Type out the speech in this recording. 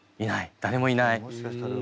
誰もいない。